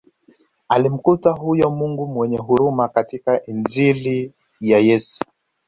Alimkuta huyo Mungu mwenye huruma katika Injili ya Yesu